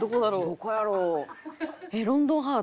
どこやろう？